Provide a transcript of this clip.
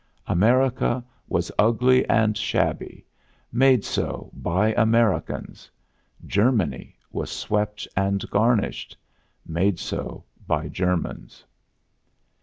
America was ugly and shabby made so by Americans; Germany was swept and garnished made so by Germans.